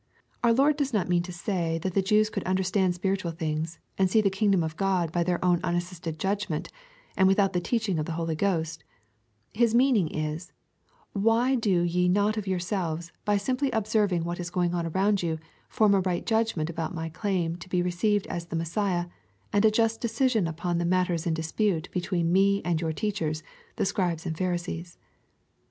Our Lord does not mean to say that the Jews could understand spiritual things, and see the kingdom of God by their own unassisted judgment, and without the teaching of the Holy Ghost His meaning is, " why do ye not of yourselves, by sim ply observing what is going on around you, form a right judgment about my claim to be received as the Messiah, and a just decision upon the matters in dispute between me and your teachers, the Scribes and Pharisees."